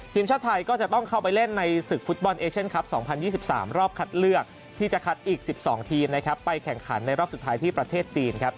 ทีมชาติไทยก็จะต้องเข้าไปเล่นในศึกฟุตบอลเอเชียนคลับ๒๐๒๓รอบคัดเลือกที่จะคัดอีก๑๒ทีมนะครับไปแข่งขันในรอบสุดท้ายที่ประเทศจีนครับ